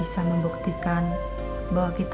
ini bukan jawabannya